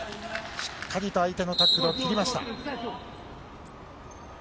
しっかりと相手のタックルを切りました。